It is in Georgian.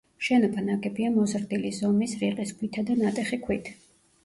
შენობა ნაგებია მოზრდილი ზომის, რიყის ქვითა და ნატეხი ქვით.